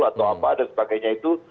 atau apa dan sebagainya itu